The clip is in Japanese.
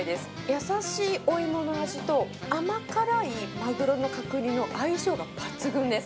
優しいお芋の味と、甘辛いマグロの角煮の相性が抜群です。